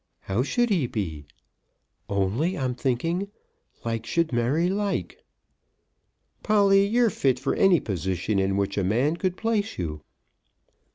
How should he be? Only I'm thinking, like should marry like." "Polly, you're fit for any position in which a man could place you."